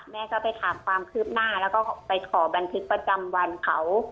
แม่ก็ไปถามความคืบหน้าแล้วก็ไปขอบันทึกประจำวันเขา